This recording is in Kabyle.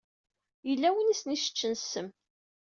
Yella win i sen-iseččen ssem.